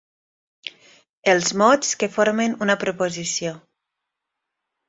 Els mots que formen una proposició.